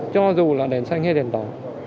cho dù là đèn xanh hay đèn tỏ